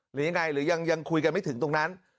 หรือยังไงหรือยังคุยกันไม่ถึงตรงนั้น